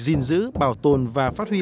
gìn giữ bảo tồn và phát huy